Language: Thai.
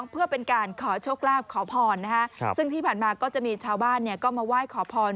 เพื่อเป็นการขอโชคลาภขอพรซึ่งที่ผ่านมาก็จะมีชาวบ้านก็มาไหว้ขอพร